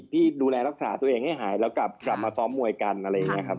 ที่ดูแลรักษาตัวเองให้หายแล้วกลับมาซ้อมมวยกันอะไรอย่างนี้ครับ